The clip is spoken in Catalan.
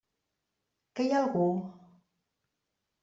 Que hi ha algú?